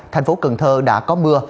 thành phố cần thơ đã có mưa